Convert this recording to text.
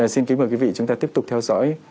xin kính mời quý vị chúng ta tiếp tục theo dõi